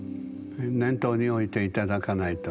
念頭に置いて頂かないと。